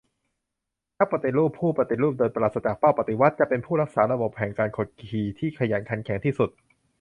นักปฏิรูปผู้ปฏิรูปโดยปราศจากเป้าปฏิวัติ จะเป็นผู้รักษาระบบแห่งการกดขี่ที่ขยันขันแข็งที่สุด